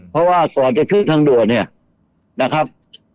เพราะว่าก่อนจะขึ้นทางด่วนเนี่ยนะครับ